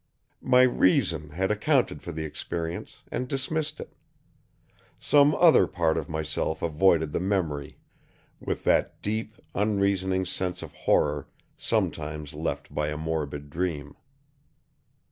My reason had accounted for the experience and dismissed it. Some other part of myself avoided the memory with that deep, unreasoning sense of horror sometimes left by a morbid dream.